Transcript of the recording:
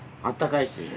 あったかいし。